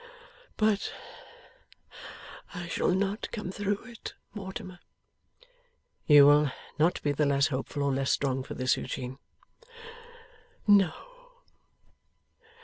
But I shall not come through it, Mortimer.' 'You will not be the less hopeful or less strong, for this, Eugene.' 'No.